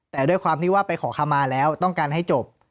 แต่ด้วยความที่ว่าไปขอคำมาแล้วต้องการให้จบ